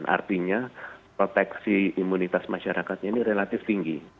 artinya proteksi imunitas masyarakatnya ini relatif tinggi